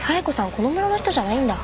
この村の人じゃないんだ。